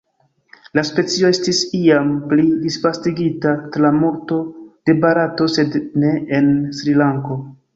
La specio estis iam pli disvastigita tra multo de Barato sed ne en Srilanko.